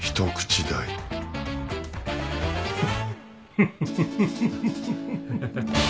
フフフフ。